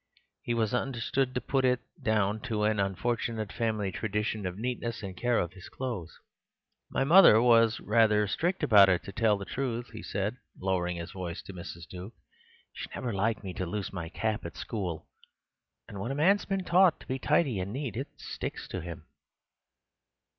He was understood to put it down to an unfortunate family tradition of neatness and care of his clothes. "My mother was rather strict about it, to tell the truth," he said, lowering his voice, to Mrs. Duke. "She never liked me to lose my cap at school. And when a man's been taught to be tidy and neat it sticks to him."